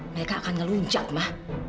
mereka akan ngeluncak ma